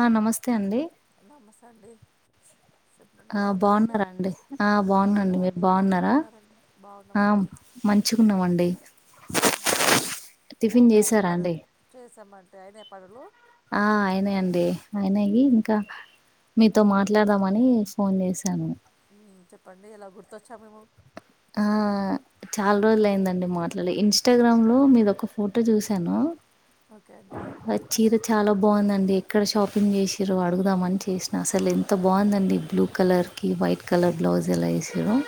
ఆ నమస్తే అండి నమస్తే అండి చెప్పండి ఆ బాగున్నారండి బాగున్నారా అండి ఆ బాగున్నాండి బాగున్నామండి మీరు ఎలా ఉన్నారండి బాగున్నామండి మంచిగున్నమండి అయినే అంటే పను అండి చేసామంటే అయినయా పనులు ఆ అయినయండి అయినయి ఇంకా మీతో మాట్లాడదామని ఫోన్ చేసాను ఉమ్ చెప్పండి ఎలా గుర్తొచ్చా మేము ఆ చల్రోజులైందండి మాట్లాడి ఇన్స్టాగ్రామ్ లో ముధొక పో ఫోటో చూసాను ఓకే అండి అ చీర చాలా బాగుందండి ఇక్కడ షాపింగ్ చేసిరో అడుగుదాం అని చేసినా అసలు ఎంత బాగుందండి బ్లూ కలర్ కి వైట్ కలర్ బ్లౌజ ఎలా ఎసిర్రో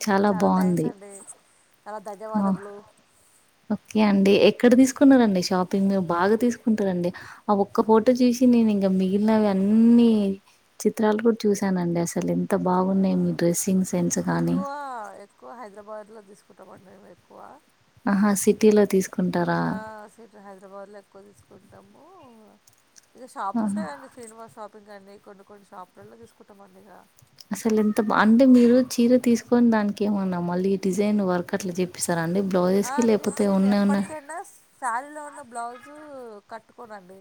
అ చాలా థ్యాంక్స్ అండి చాలా ధన్యవాదములు ఓకే అండి. ఎక్కడ తీసుకున్నారండి షాపింగ్ బాగా తీసుకుంటారండి ఆ ఒక్క ఫోటో చూసి నేను ఇంకా మిగిలిన అన్ని చిత్రాలు కూడా చూసానండి అసలు త ఆ, బాగున్నాయి మీ డ్రెస్సింగ్ మే- సెన్స్ కానీ ఎక్కువ ఎక్కువ హైదరాబాద్లో తీసుకుంటామండి మేము ఎక్కువ ఆహా సిటీలో తీసుకుంటారా? ఆ సిట్ హైదరాబాద్ లో ఎక్కువ తీసుకుంటాము ఇక షాప్స్ ఆహా! ఉంటాయిండి శ్రీనివాస్ షాపింగ్ కాని కొన్ని కొన్ని షాపులో తీసుకుంటామండి ఇక అసలు ఎంత బ అంటే మీరు చీర తీసుకొని దానికి ఏమన్నా మళ్ళీ డిజైన్ వర్ ఆ నేను ఉన్నయి ఉన్న ఎప్పటికైనా శారీలో ఉన్న బ్లౌజు కట్టుకోనండి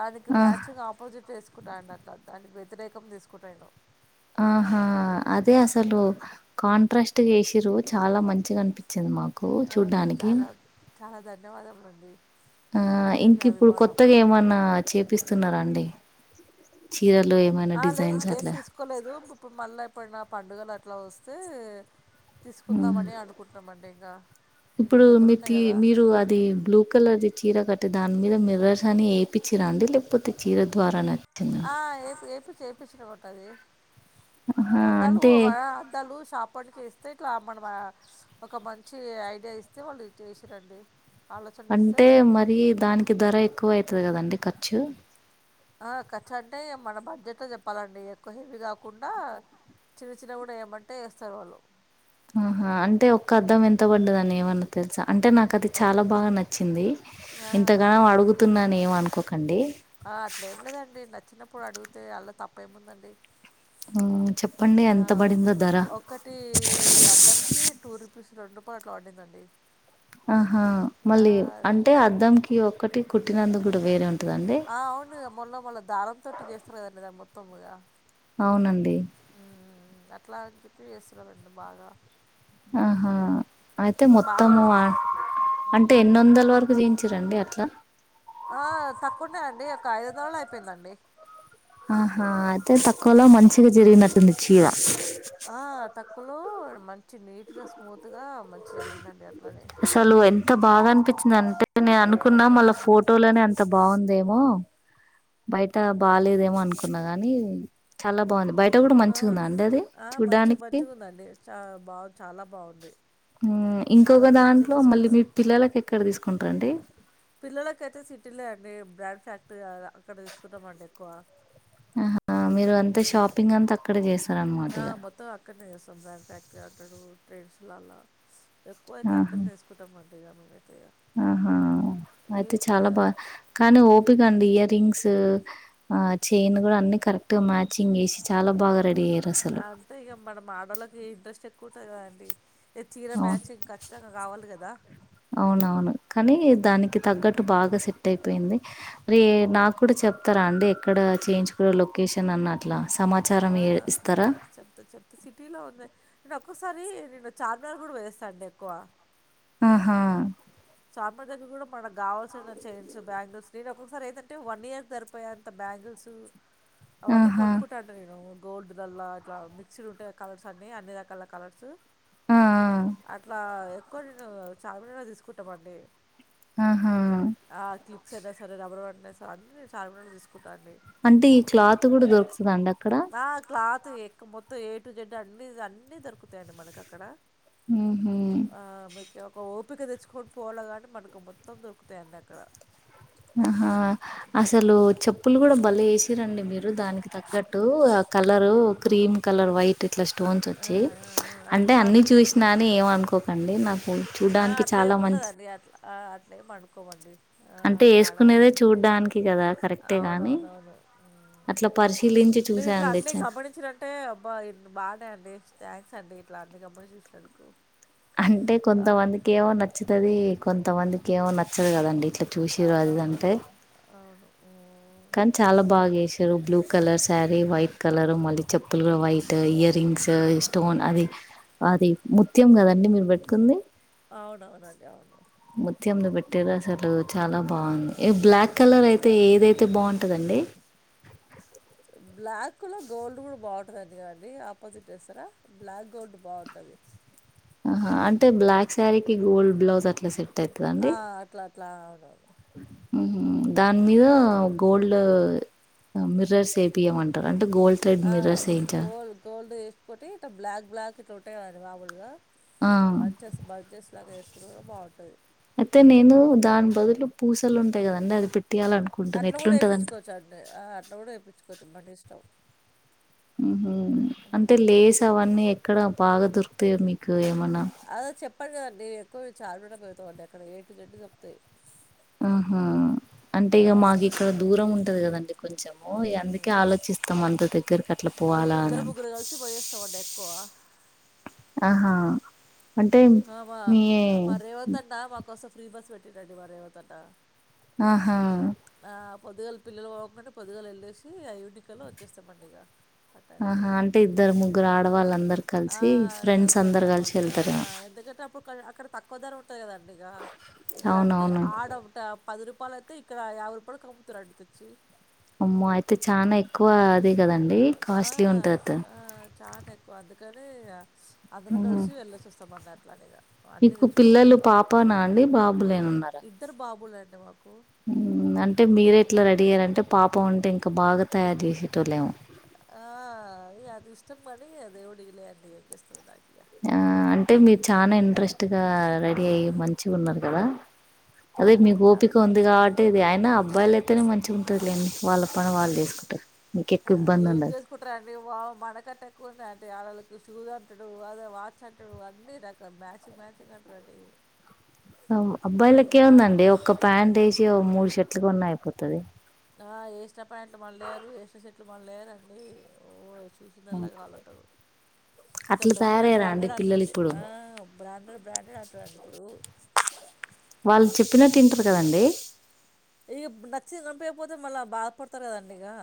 దానికి ఆ! మ్యాచింగ్ ఆపోజిట్ వేసుకుంటాండి అట్లా దానికి వ్యతిరేకం తీసుకుంటా నేను ఆహా అదే అసలు కాంట్రాక్ట్ ఎసిరు చాలా మంచిగా అనిపి చింది మాకు చూడ్డానికి ధన్యవాదములు అండి ఆ ఇంక ఇప్పుడు కొత్తగా ఏమన్నా చేపిస్తున్నారా అండి చీరలు ఏమైనా ఆ లేదు డిజైన్స్ ఇంకేం అట్లా తీసుకోలేదు ఇప్పుడు మళ్ళా ఎప్పుడైనా పండుగలు అట్లా వస్తే తీసుకుందామని అనుకుంటున్నామండి ఇంకా ఇంకా ఇప్పుడు దగ్గరున్నాయి మీతి కదా మీరు అది బ్లూ కలర్ది చీర క టి దాని మీద మిర్రర్స్ అని ఏపిచ్చి అండి లేకపోతే చీర ద్వారా ఆ ఏప్ ఏప్ ఎపిచ్చిరు కొట్టది ఆహా అద్దాలు అంటే అద్దాలు షాప్ ఆళ్ళోకి వేస్ స్తె క్లాప్ అడం మే ఒక మంచి ఐడియా ఇస్తే వాళ్ళు చేసిరండి ఆలోచన ఇస్తే అంటే మరి దానికి ధర ఎక్కువ అయితది కదండి ఖర్చు ఆ ఖర్చుఅంటే మన బడ్జెట్ లో చెప్పాలండి ఎక్కువ హెవీ కాకుండా చిన్న చిన్న కూడా ఏయ్యమంటే ఎస్తారు వాళ్ళు ఆహా అంటే ఒక్క అద్దం ఎంత పడ్డదని ఏమన్నా తెలుస అంటే నాకు అది చాలా బాగా నచ్చింది ఇంతలా ఇంతగనం ఏమో అడుగుతున్నాను ఏమి అనుకోకండి ఆ అట్లా ఏం లేదండి నచ్చినప్పుడు అడిగితే అల తప్పు ఏముందండి మ్ ఆ ఒకటి ఇది అద్దం కి టూ రూపీస్ రెండు ప అట్లాఅడిదండి ఆహా మళ్ళీ అంటే అద్దంకి ఒక్కటి కుట్టినందు కూడా వేరే ఉ ఆ అవునుగ మొళ్ళ మొళ్ళ దారం తోటి జేస్తారు కదండి దాని మొత్తంగా అవునండి అట్లా అని చెప్పి ఎస్తున్నారండి బాగా ఆహా అయితే బాగా మొత్తము అంటే ఎన్ని ఉమ్, వందల వరకు జేయించిరండి అట్లా ఆ తక్కువనే అండి ఒక ఐదు వందల్లోనే అయిపోయిందండి ఆహా అయితే తక్కువలో మంచిగా జరిగినట్టుంది చీర ఆ తక్కువలో మంచి నీట్గా స్మూత్ గా మంచి జరిగిందండి అట్లనే అసలు ఎంత బాగా అనిపించింది అంటే నేను అనుకున్నా మళ్ళ ఫోటోలోనే అంత బాగుందేమో బయట బాలేదేమో అనుకున్నా గాని చాలా బాగుంది బయట కూడా ఆ మంచిగుందా అండి అది ఆ మంచి చూడ్డానికి మంచిగుందండి చ బా చాలా బావుంది ఇంకొక దాంట్లో మళ్ళీ మీ పిల్లలకి ఎక్కడ తీసుకుంటారండి పిల్లలకైతే సిటీలే అండి బ్రాండ్ ఫ్యాక్టరీ అక్కడ తీసుకుంటామండి ఎక్కువ ఆహా మీరు అంతా మ్మ్ షాపింగ్ అంతా అక్కడే చేస్తార అన్నమాట ఇగ సొబ్రాన్ ఫ్యాక్టరీ అంటాడు ట్రేడ్ర్స్లలా ఎక్కువ అయితే ఆహా అక్కనే ఎసుకుంటామండి ఇగ మేము ఆహా అయితే చిన్న చాలా బాగా కానీ ఉమ్ ఓపిక అండి ఇయరింగ్స్ ఆ చైన్ కూడా అన్ని కరెక్ట్ గా మ్యాచింగ్ వేసి చాలా బాగా ర అంతే ఇగ మనం ఆడోళ్ళకి ఇంట్రెస్ట్ ఎక్కువ ఉంటది కద అండి అవును అవునవును కానీ దానికి తగ్గట్టు బాగా సెట్ అయిపోయింది మరి ఉమ్, నాకు కూడా చెప్తారా అండి ఎక్కడ చేయించుకు లొకే షన్ అన్నట్లా ఆ చెప్తా చెప్తా సిటీలో ఉంది రకుస్ సారి నేను చార్మినార్ కూడా ఓయిస్తానండి ఎక్కువ ఆహా అమ్మడి దగ్గర కూడా మనకు గావాల్సిన చైన్స్ బ్యాంగిల్స్ నేను ఒకొకసారి ఏందంటే వన్ ఇయర్ సరిపోయేంత బ్యాంగిల్స్ అవన్ని ఆహా కొనుకుంటాంట నేను గోల్డ్ ల్లా ఇట్లా మిక్స్డ్ ఉంటే కలర్స్ అన్ని అన్ని రకాల కలర్స్ ఆ ఆ అట్లా ఎక్కువ నేను చార్మినలో తీసుకుంటామండి ఆహా యినా సర రబర్ వంటనా సార్ అ నేను చార్ మినార్ తీసుకును అంటే ఈ క్లాత్ కూడా దొరుకుతుందండి అక్కడ ఎక్క మొత్తం ఏటు జడ్ అన్ని అన్నిీ దొరుకుతాయండి మనకు అక్కడ హుహు. ఆ మీకు ఒక ఓపిక తెచ్చ కని పోలగాని మనకు మొత్తం దొరుకుతాయండి మనకు అక్కడ ఆహా అసలు చెప్పులు కూడా బల వేసిరండి మీరు దానికి తగ్గట్టు ఆ కలర్ క్రీమ్ కలర్ వైట్ ఇట్లా స్టోన్స్ ఆ, ఆ, వచ్చి ఆ, అక్క అంటే అన్ని చార్మినార్ తీసుకున్నాం చూసినాని ఏమ అనుకోకండి నాకు చూడ్డానికి చాలా మంచి అట్లేం అనుకోమండి ఆ అంటే ఇ ఏసుకునేదే ఆడవాళ్ళట్ చూడ్డానికి గదా! కరెక్టే గానీ అవునవునవును అట్లా పరిశీలించి మీరు ఇట్లా చూసానండి. అన్నిీ చ గమనించినంటే అబ్బా బాగానే అండి థ్యాంక్స్ అండి ఇట్లా అన్ని గమనించి చూసినందుకు అంటే ఆ కొంతమందికి ఏమో నచ్చుతుది కొంతమందికి ఏమో నచ్చదు కదండి అవునవున అడి అవును మ్మ్ కానీ చాలా బాగా చేసిర్రు blue colour sari white colour మళ్ళీ చెప్పులు వైఫ్ ఇయర్ రింగ్స్ స్టోన్ అది అది ముత్యం కదండి మీరు పెట్టుకుంది అవునవునండి అవును అంటేది అసలు చాలా బాగుంది బ్లాక్ కలర్ చాలా అయితే థ్యాంక్స్ ఏదైతే ఉంటుందండి బ్లాక్ లో గోల్డ్ కూడా బాగుంటందండి కాండి ఆపోజిట్ ఏస్తరా బ్లాక్ గోల్డ్ బాగుంటది అదే ఆహా అంటే బ్లాక్ శారీకి గోల్డ్ బ్లౌజ్ అట్లా సెట్ అవుతుందండి ఆ అట్లా అట్లా అవునవును దాని మీద గోల్డ్ మిర్రర్స్ ఏపియమంటర అండి ఆ గోల్ గోల్డ్ వేసుకోటి ఇ బ్లాక్ బ్లాక్ ఇట్లా ఉంటాయి అని మాములుగా ఆ మంచెస్ బంచెస్ లాగా వేసుకుంటే కుడా బాగుంటది అయితే నేను దాని బదులు పూసలు ఉంటాయి కదండి అది పెట్ అట్లా కూడా ఏపీచ్చుకోవచ్చు అండి ఆ అట్లా కూడా ఎపిచ్చుకోవచ్చు మడి స్టవ్ హ అంటే లేస్ అవన్నీ ఎక్కడ బాగా దొరుకుతయో మీకు ఏమన్నా అద చెప్పండి కదండి ఎక్కువ చార్మడిపోతా అండి అక్కడ ఏటు జడ్ దొరుకుతయి ఆహా అంటే ఆ ఇక మాకు అక్కడ ఇక్కడ దూరం ఉంటది కదండి కొంచెము అందుకే మ్మ్. ఆలోచిస్తాం అంత దగ్గరకి అట్లా మేము పోవాలా ఇద్దరు ముగ్గురు అనిపిచ్ [unintelligible] ఆహా అంటే ఆ మీ మా రేవంతన్నా మాకోసం ఫ్రీ బస్ పెట్టిండి మా రేవంతన్నా ఆహా పొదుగల పిల్లలు పోగంగనే పొద్దులు వెళ్ళేసి ఐదింటి కల్లో వచ్చేస్తామండి ఇక ఆ టైం ఆహా కల్లా. అంటే ఇద్దరు ముగ్గురు ఆడవాళ్ళ అందరు ఆ! కలిసి ఫ్రెండ్స్ కలిసి అందరు కలిసి వెళ్తామండి. ఆ! వెళ్తారేమో ఎందుకంటే అప్పుడు అక్కడ తక్కువ ధర ఉంటది కదండిగ ఇక్కడ అన్నీ అవునవును ఆడ ఒకట పది రూపాలు అయితే ఇక్కడ యాభై రూపాల కి అమ్ముతారు అండి తెచ్చి అమ్మో అయితే చానా ఎక్కువ అది కదండి ఆ! కాస్ట్లీ ఉంటట్టు కాని అందరం కలిసి వెల్లోసోస్తాం అట్లాంటిగా మీకు పిల్లలు పాపనా అండి బాబులేనా ఉన్నారా ఇద్దరు బాబులండి మాకు. అంటే మీరే ఎట్లా రెడీ అయ్యారంటే పాప ఉంటే ఇంకా బాగా తయారు చేసేటోల్లేమో ఆ అది ఇష్టమని ఆ దేవుడు ఇయ్యాలేదండి ఏం చేస్తాం దానికి ఇగ ఆ అంటే మీరు చనాా ఇంట్రెస్ట్గా రెడీ అయి మంచిగా ఉన్నారు కదా అదే మీకు చాలా ఓపిక ఉంది థ్యాంక్స్ అండి కాబట్టి ఇది అయనా అబ్బాయిలు అయితేనే మంచిగా ఉంటదిలేండి వాళ్ళ పని వాళ్ళు చేసుకుంటారు ఆ మీకెక్కువ ఇబ్బంది ఏం ఉండదు చేసుకుంటార అండి వావ్ మనకంటే ఎక్కువన్నా అంటే ఆడలు షూ అంటాడు అద వాచ్ అంటాడు అన్నీ రక మ్యాచింగ్ మ్యాచింగ్ అంటారుండి అబ్బాయిలక్కే ఉందండి ఒక్క ప్యాంట్ వేసి మూడు షర్ట్లు కొన్నా అయిపోతుది ఆ ఎసిన ప్యాంట్ మళ్ళయ్యారు ఎసిన షర్ట్ మళ్ళయారుండి ఓ చూసిందల్ల కావాలంటారు ఇ అట్లా బ్రాండెడ్ తయారయ్యారా అండి బ్రాండెడ్ పిల్లలు అంటారండి ఇప్పుడు ఆ బ్రాండెడ్ బ్రాండెడ్ ఆంటారండి ఇప్పుడు వాళ్ళ ఇక నచ్చింది కొనిపియ్యాక మళ్ళా బాధపడతారు కదండి ఇగా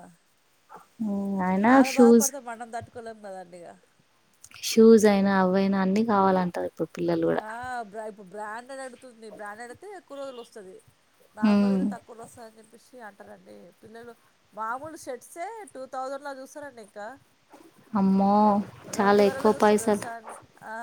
అయినా అల్లు బాధ షూస్ పడితే మనం తట్టుకోలేం కదండి ఇగా షూస్ అయినా అవ అయినా అన్ని కావాలంటారు ఇప్పుడు పిల్లలు కూడా ఆ బ్రా బ్రాండెడ్ అడుతుంది బ్రాండడ్ అయితే ఎక్కువ రోజులు వస్తుంది హ్మ్ నార్మల్తే తక్కువ లో వస్తుందని చెప్పేసి అంటారంండి పిల్లలు మామూలు షెర్ట్సే టూ థౌజండ్ లో చూస్తారంండి ఇంకా అమ్మో రెండు చాలా వేలల్లో ఎక్కువ చూస్తారు పైసలు తెలుసా అండి ఆ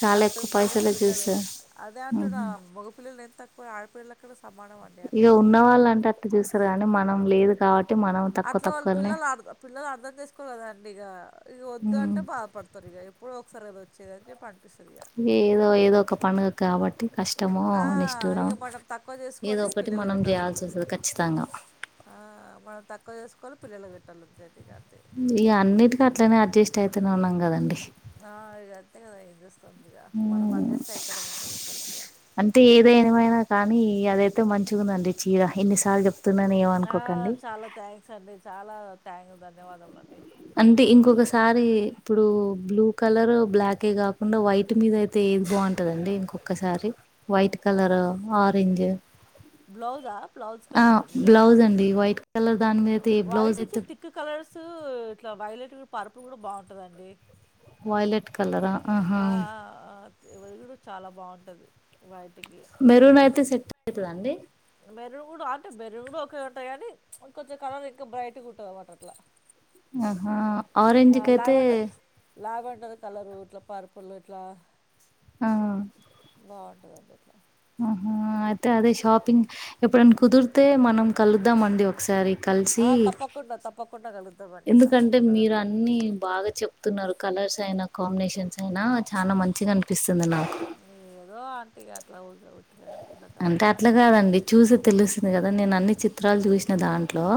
చాలా ఎక్కువ అట్ంటడి పైసలే పిల్లలు చూస్తారు అదే అంటున్నా మగ పిల్లలు ఎం తక్కువ ఆడపిల్లల కన్నా సమానం అండి ఇక అట్లా ఉన్న అంటున్నా వాళ్ళంటే అట్ చూసారు కానీ మనం లేదు కాబట్టి మనం తక్కువ అట్లా వాళ్ళు తక్కువనే పిల్లలు అర్ పిల్లలు అర్థం చేసుకోరుకోదండి ఇక ఇ వద్దు అంటే బాధపడతారు ఇ ఇప్పుడు ఒకసారి అదిచ్చది అని చెప్ప అంట ఏదో ఏదో ఒక పండుగ కాబట్టి కష్టమో ఆ ఇక నిశ్తురమో మనం తక్కువ ఏదో చేసుకొని ఒకటి పిల్లలకు మనం పెట్టాల్సి చేయాల్సి వస్తుంది ఖచ్చితంగా ఆ మనం తక్కువ చేసుకోవాలి పిల్లలు పెట్టాలింతేని ఈ అన్నిటికి అట్లనే అడ్జస్ట్ అయితేనే ఉన్నాం కదండి ఆ ఇక అంతే కదా ఏంచేస్తాం ఇక మనం మ్మ్ అడ్జస్ట్ ఐతన్నం అంటావ్ ఎప్పటికీ ఇగ అంటే ఏది ఏమైనా కానీ మంచిగా ఉండండి చీర ఇన్నిసాల ఆ చాలా థ్యాంక్స్ అండి చాలా థ్యాంక్ ధన్యవాదములు అండి అంటే ఇంకొకసారి ఇప్పుడు బ్లూ కలర్ బ్లాకే కాకుండా వైట్ మీద అయితే ఏది బాగుంటదండి ఇంకొక్కసారి వైట్ ఆ! కలర్ ఆరెంజ్ బ్లౌజా బ్లౌజ్ ఆ కంటారా మీరు బ్లౌజ్ అండి వైట్ కలర్ దాని మీదతే బ్లౌజస్ వైట్‌కి ఎత్ థిక్ కలర్స్ ఇట్లా వైలెట్ పరుపులు కూడా బాగుంటదండి వైలెట్ కలరా ఆహా ఆ ఆ ఆగుడు చాలా బాగుంటది వైట్ మెరున్ అయితే సెట్ అవుతద అండి మెరూన్ కూడా అంటే మెరూన్ కూడా కూడా ఒకే ఉంటాయి కానీ కొంచం కలర్ ఇంకా బ్రైట్ గా ఉంటంది అన్నమాట అట్లా ఆహా ఆరెంజ్ ఆ! కయితే లావెండర్ లావెండర్ కలరు ఇట్లా పర్పుల్ ఇట్లా ఆ బాగుంటుందండి అట్లా ఆహా అయితే అదే షాపింగ్ ఎప్పుడనా కుదిరితే మనం కలుద్దామ అండి ఒకసారి కలిసి ఆ తప్పకుండా తప్పకుండా కలుదా ఎందుకంటే మీరు అన్ని బాగా చెప్తున్నారు కలర్స్ అయినా కాంబి నేషన్స్ అయిన చానా మంచిగా అనిపిస్తుంది నాకు. ఏదో ఆంటిగా అట్లా ఇగ అంటే అట్లా కాదండి చూసే తెలిసుది నేను అన్ని చి త్రాలు చూసిన దాంట్లో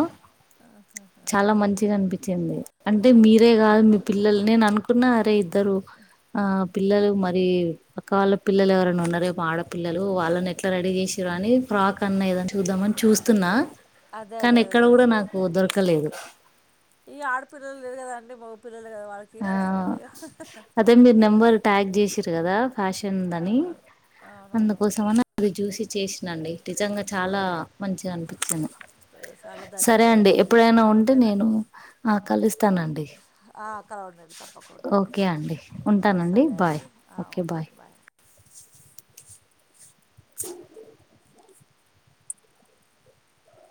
ఆహహా చాలా మంచిగా అనిపించింది అంటే మీరే గాదు మీ పిల్లలు నేను అనుకున్న అరే ఇద్దరు ఆ పిల్లలు మరి పక్క వాళ్ళ పిల్లలు ఎవరన్నా ఉన్నారేమో పిల్లలు వాళ్ళని ఎట్లా రెడీ చేసిర్రా అని ఫ్రాక్ అన్నా ఏదన్న చూద్దా మని చూస్తున్నా అదే కానీ అదే ఎక్కడ అదే కూడా అదే నాకు దొరకలేదు ఇగ ఆడపిల్లలు లేరు కదా అండి మొగ పిల్లలు ఆ అదే మీరు నెంబర్ ట్యాగ్ చేసిర్రు కదా ఫ్యాషన్ ది అని అవునవును అవునవునవును అందుకోసమని అది చూసి చేసినండి నిజంగా చాలా ఓకే మంచిగ అనిపించింది చాలా సరే అండి ధన్యవాదములండి ఎప్పుడైనా ఉంటే ఓకేనా నేను ఆ కలుస్తానండి అవునండి తప్పకుండా అండి ఓకే ఆ సరే అండి ఆ అవునండి బాయ్